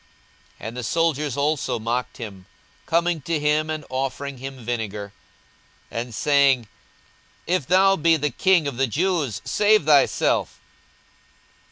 42:023:036 And the soldiers also mocked him, coming to him, and offering him vinegar, 42:023:037 And saying, If thou be the king of the Jews, save thyself.